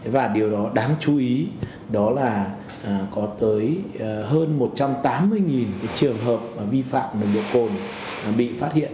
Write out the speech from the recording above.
và điều đó đáng chú ý đó là có tới hơn một trăm tám mươi trường hợp vi phạm nồng độ cồn bị phát hiện